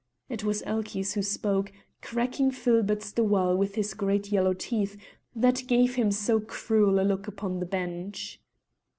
It was Elchies who spoke, cracking filberts the while with his great yellow teeth that gave him so cruel a look upon the bench.